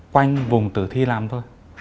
quanh vùng tử thi làm đơn